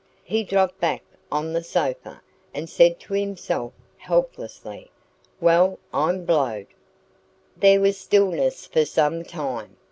He dropped back on the sofa, and said to himself helplessly: "Well, I'm blowed!" There was stillness for some time.